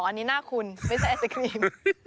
อันนี้หน้าคุณไม่ใช่ไอศครีม